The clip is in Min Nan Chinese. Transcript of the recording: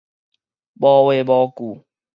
無話無句